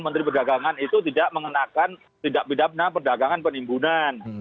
menteri perdagangan itu tidak mengenakan tindak pidana perdagangan penimbunan